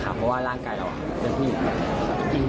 เพราะว่าร่างกายเราเป็นผู้หญิง